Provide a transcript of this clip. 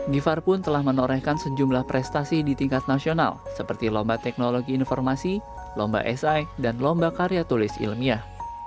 givhar pun telah menorehkan sejumlah prestasi di tingkat nasional seperti lomba teknologi informasi lomba si dan lomba karya tulis ilmiah